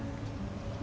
baik ya wakil presiden